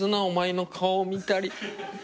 お前の顔を見たり。